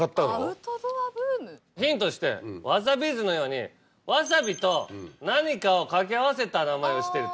アウトドアブーム？ヒントとしてわさビーズのようにわさびと何かを掛け合わせた名前をしていると。